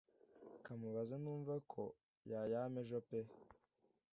Kamubaze numveko yayama ejo pe